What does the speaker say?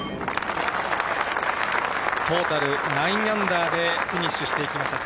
トータル９アンダーでフィニッシュしていきました。